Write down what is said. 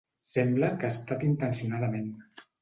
Sembla que ha estat intencionadament.